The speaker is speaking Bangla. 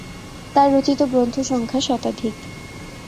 তার রচিত গ্রন্থ সংখ্যা শতাধিক।